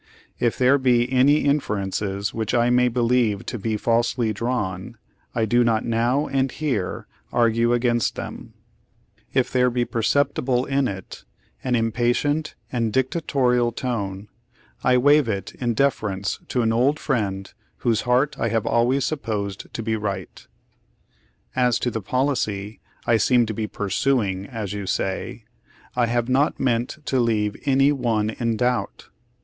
"If there be any inferences which I may believe to be falsely drawn, I do not now and here argue against them. The American Conflict. By Horace Greeley. Vol. II, pp. 249 50. Page Seventy eight "If there be perceptible in it an impatient and dictatorial tone, I waive it in deference to an old friend whose heart I have always supposed to be right. "As to the policy I 'seem to be pursuing,' as you say, 1 have not meant to leave any one in doubt.